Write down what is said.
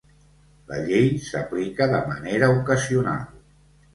La llei s'aplica de manera ocasional.